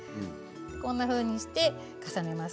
こんなふうに重ねます。